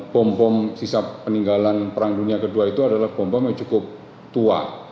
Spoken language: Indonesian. bom bom sisa peninggalan perang dunia ii itu adalah bom bom yang cukup tua